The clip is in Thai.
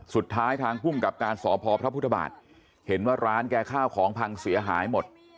สุดท้ายทางพุ่งกับการสอบพอพระพุทธบาทเห็นว่าร้านแก่ข้าวของพังเสียหายหมด